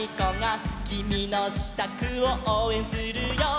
「きみのしたくをおうえんするよ」